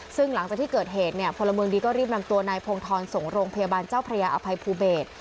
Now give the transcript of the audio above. ซึ่งหลังจากที่เกิดเหตุเนี่ยพลเมืองดีก็รีบนำตัวนายพงธรส่งโรงพยาบาลเจ้าพระยาอภัยภูเบศ